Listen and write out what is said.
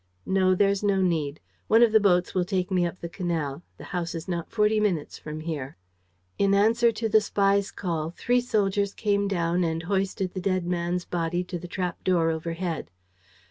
"No, there's no need. One of the boats will take me up the canal. The house is not forty minutes from here." In answer to the spy's call, three soldiers came down and hoisted the dead man's body to the trap door overhead.